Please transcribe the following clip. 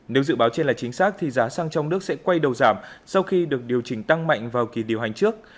nếu dự báo trên là chính xác thì giá xăng trong nước sẽ quay đầu giảm sau khi được điều chỉnh tăng mạnh vào kỳ điều hành trước